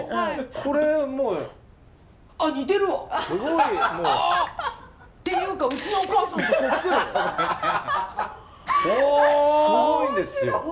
すごいんですよ。